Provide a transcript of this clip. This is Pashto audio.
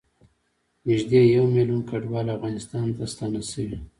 نږدې یوه میلیون کډوال افغانستان ته ستانه شوي